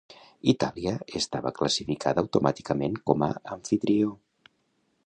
Itàlia estava classificada automàticament com a amfitrió.